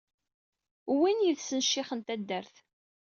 Uwin yid-sen ccix n taddart.